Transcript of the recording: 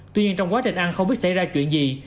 tuy nhiên trong quá trình ăn không biết xảy ra chuyện gì